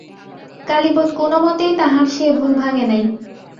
কালীপদ কোনোমতেই তাঁহার সে ভুল ভাঙে নাই।